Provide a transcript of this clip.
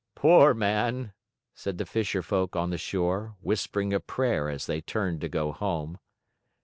"Poor man!" said the fisher folk on the shore, whispering a prayer as they turned to go home.